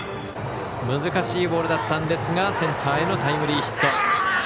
難しいボールだったんですがセンターへのタイムリーヒット。